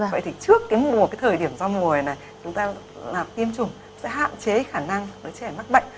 vậy thì trước cái mùa cái thời điểm giao mùa này chúng ta tiêm chủng sẽ hạn chế khả năng đứa trẻ mắc bệnh